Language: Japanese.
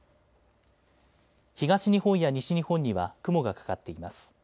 東日本や西日本には雲がかかっています。